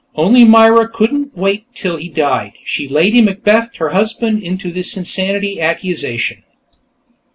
Only Myra couldn't wait till he died; she'd Lady Macbethed her husband into this insanity accusation.